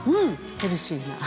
ヘルシーな。